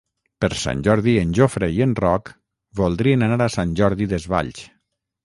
Per Sant Jordi en Jofre i en Roc voldrien anar a Sant Jordi Desvalls.